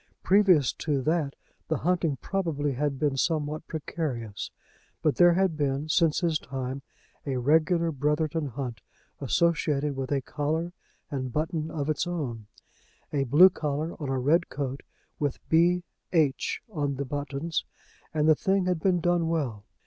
Previous to that the hunting probably had been somewhat precarious; but there had been, since his time, a regular Brotherton Hunt associated with a collar and button of its own, a blue collar on a red coat, with B. H. on the buttons, and the thing had been done well.